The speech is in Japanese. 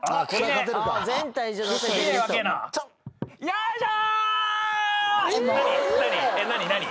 よいしょ！